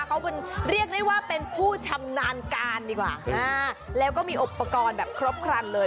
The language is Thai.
เขาเป็นเรียกได้ว่าเป็นผู้ชำนาญการดีกว่าแล้วก็มีอุปกรณ์แบบครบครันเลย